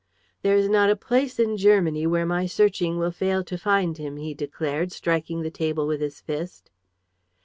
"There is not a place in Germany where my searching will fail to find him," he declared, striking the table with his fist.